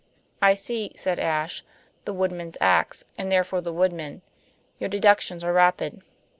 "I see," said Ashe, "the woodman's ax, and therefore the Woodman. Your deductions are rapid."